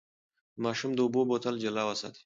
د ماشوم د اوبو بوتل جلا وساتئ.